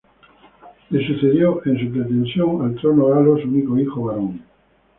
Le sucedió en su pretensión al trono galo su único hijo varón.